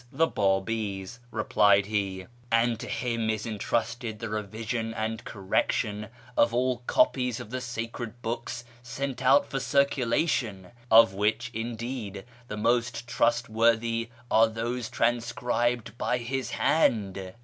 the Babis), replied he, " and to him is entrusted the revision and correction of all copies of the sacred books sent out for circulation, of which, indeed, the most trustworthy are those transcribed by his hand.